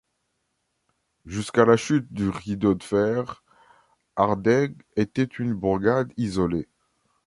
Jusqu'à la chute du Rideau de fer, Hardegg était une bourgade isolée.